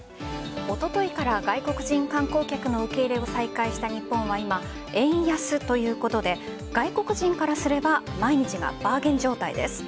おとといから外国人観光客の受け入れを再開した日本は今円安ということで外国人からすれば毎日がバーゲン状態です。